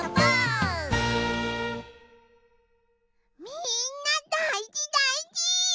みんなだいじだいじ！